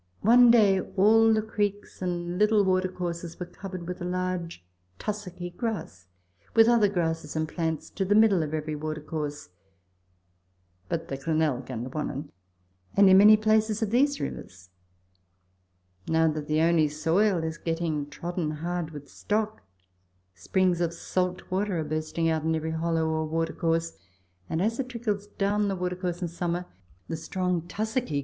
One day all the creeks and little watercourses were covered with a large tussocky grass, with other grasses and plants, to the middle of every watercourse but the Glenelg and Wannon, and in many places of these rivers ; now that the only soil is getting trodden hard with stock, springs of salt water are bursting out in every hollow or watercourse, and as it trickles down the watercourse in summer, the strong tussocky Letters from Victorian Pioneers.